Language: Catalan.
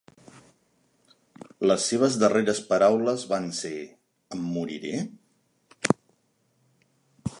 Les seves darreres paraules van ser: "Em moriré?".